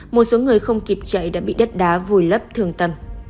một số người không kịp chạy đã bị đất đá vùi lấp thường tầm